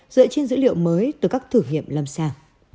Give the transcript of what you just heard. dựa trên dữ liệu mới từ các thử nghiệm lâm sàng